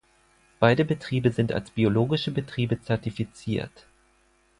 Beide Betriebe sind als biologische Betriebe zertifiziert.